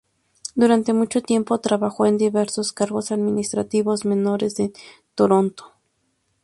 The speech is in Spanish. Durante mucho tiempo trabajó en diversos cargos administrativos menores en Toronto.